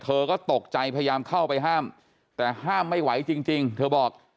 เธอก็ตกใจพยายามเข้าไปห้ามแต่ห้ามไม่ไหวจริงเธอบอก